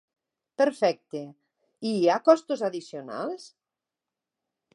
Perfecte, i hi ha costos addicionals?